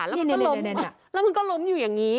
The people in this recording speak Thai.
แล้วมันก็ล้มแล้วมันก็ล้มอยู่อย่างนี้